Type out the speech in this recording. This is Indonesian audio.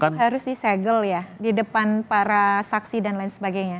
kan dokumen harus di segel ya di depan para saksi dan lain sebagainya